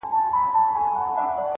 علم د بریا اساسي شرط دی’